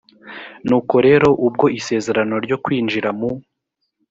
nuko rero ubwo isezerano ryo kwinjira mu